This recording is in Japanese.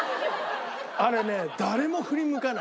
あれね誰も振り向かない。